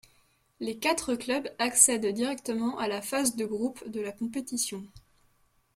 Les quatre clubs accèdent directement à la phase de groupes de la compétition.